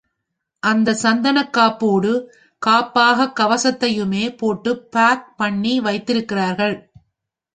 அந்தச் சந்தனக் காப்போடு காப்பாகக் கவசத்தையுமே போட்டு பாக் பண்ணி வைத்து விடுகிறார்கள்.